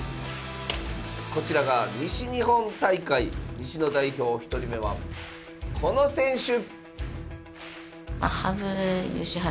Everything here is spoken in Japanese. こちらが西日本大会西の代表１人目はこの選手。